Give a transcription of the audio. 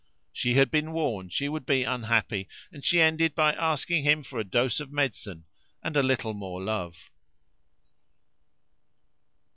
She had been warned she would be unhappy; and she ended by asking him for a dose of medicine and a little more love.